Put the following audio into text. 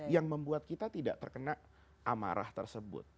yang membuat kita tidak terkena amarah tersebut